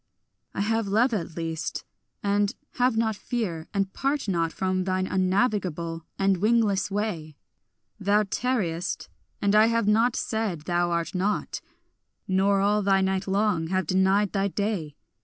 I have love at least, and have not fear, and part not From thine unnavigable and wingless way; Thou tarriest, and I have not said thou art not, Nor all thy night long have denied thy day.